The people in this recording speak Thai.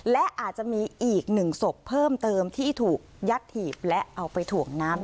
และอาจจะมีอีกหนึ่งศพเพิ่มเติมที่ถูกยัดถีบและเอาไปถ่วงน้ำ